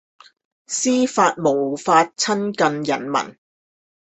司法無法親近人民